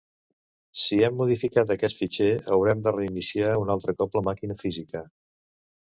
Si hem modificat aquest fitxer, haurem de reiniciar un altre cop la màquina física.